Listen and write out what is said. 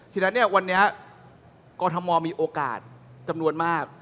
ฉะนั้นเนี่ยวันนี้กรทมมีโอกาสจำนวนมาก